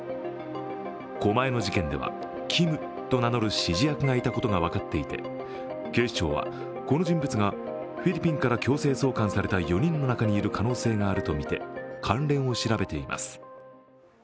狛江の事件ではＫｉｍと名乗る指示役がいたことが分かっていて警視庁は、この人物がフィリピンから強制送還された４人の中にいる可能性があるとみて関連を調べています。